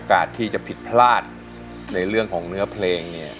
คุณยายแดงคะทำไมต้องซื้อลำโพงและเครื่องเสียง